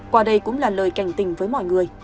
qua đây cũng là lời cảnh tình với mọi người